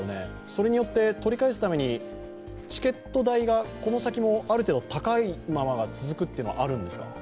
それによって取り返すためにチケット代がこの先もある程度高いままが続くというのはあるんですか？